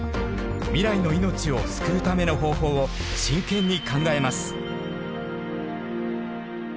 未来の命を救うための方法を真剣に考えます。